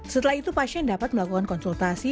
setelah itu pasien dapat melakukan konsultasi